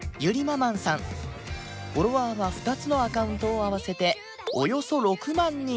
フォロワーは２つのアカウントを合わせておよそ６万人